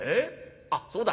あっそうだ。